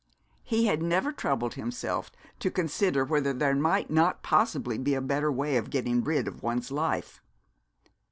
He had never troubled himself to consider whether there might not possibly be a better way of getting rid of one's life.